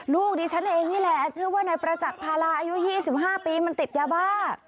ลูกดิฉันเองนี่แหละชื่อว่านายประจักษ์พาราอายุ๒๕ปีมันติดยาบ้า